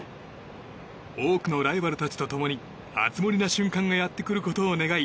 多くのライバルたちと共に熱盛な瞬間がやってくることを願い